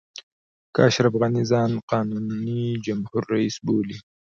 که اشرف غني ځان قانوني جمهور رئیس بولي.